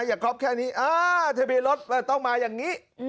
อย่าครบแค่นี้ทะเบียนรถต้องมาอย่างนี้